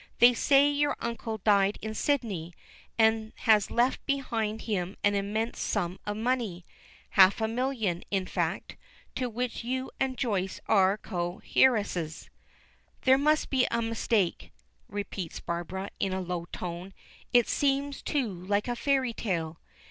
They say your uncle died in Sydney, and has left behind him an immense sum of money. Half a million, in fact, to which you and Joyce are co heiresses." "There must be a mistake," repeats Barbara, in a low tone. "It seems too like a fairy tale."